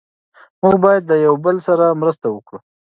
موږ باید د یو بل سره مرسته وکړو.